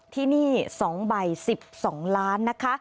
ที่นี่๒ใบ๑๒ล้านนะคะ